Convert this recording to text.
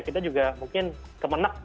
kita juga mungkin kemenang